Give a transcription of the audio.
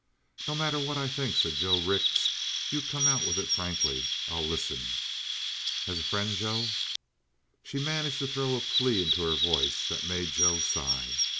"No matter what I think," said Joe Rix, "you come out with it frankly. I'll listen." "As a friend, Joe?" She managed to throw a plea into her voice that made Joe sigh.